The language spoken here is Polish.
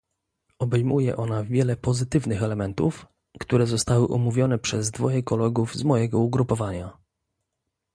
Obejmuje ona wiele pozytywnych elementów, które zostały omówione przez dwoje kolegów z mojego ugrupowania